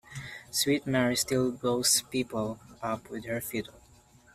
Sweet Mary still blows people up with her fiddle.